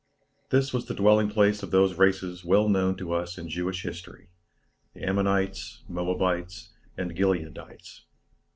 This was the dwelling place of those races well known to us in Jewish history; the Ammonites, Moabites, and Gileadites.